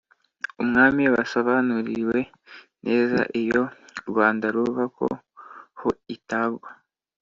umwami basobanuriwe neza iyo rwanda ruva ko ho itagwa